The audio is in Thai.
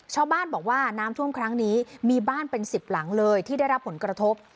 ชาวบ้านบอกว่าน้ำท่วมครั้งนี้มีบ้านเป็น๑๐หลังเลยที่ได้รับผลกระทบ